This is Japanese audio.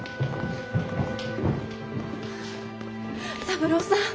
三郎さん